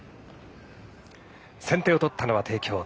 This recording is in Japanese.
先手を取ったのは帝京。